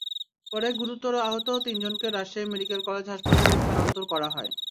পরে গুরুতর আহত তিনজনকে রাজশাহী মেডিকেল কলেজ হাসপাতালে স্থানান্তর করা হয়।